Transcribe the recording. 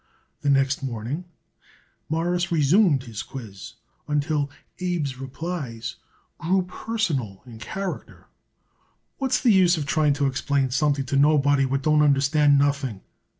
The next morning Morris resumed his quiz until Abe's replies grew personal in character. "What's the use of trying to explain something to nobody what don't understand nothing?"